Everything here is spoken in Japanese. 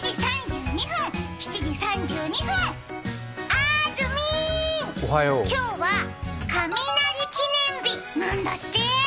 あーずみー、今日は雷記念日なんだって。